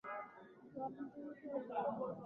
ডরমেটরীতেও কেউ নেই।